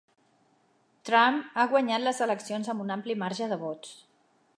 Trump ha guanyat les eleccions amb un ampli marge de vots